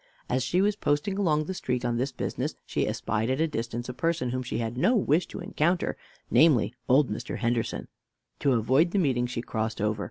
As she was posting along the street on this business, she espied at a distance a person whom she had no wish to encounter, namely, old Mr. Henderson. To avoid the meeting she crossed over.